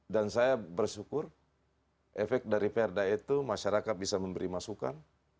dan saya bersyukur efek dari perdah itu masyarakat bisa memberi masukan